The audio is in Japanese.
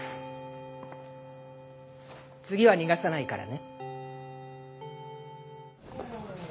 次は逃がさないからね。